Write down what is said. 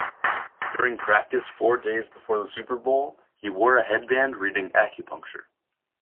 During practice four days before the Super Bowl, he wore a headband reading "Acupuncture".